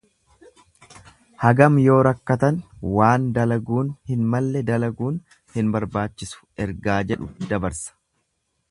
Hagam yoo rakkatan waan dalaguun hin malle dalaguun hin barbaachisu ergaa jedhu dabarsa.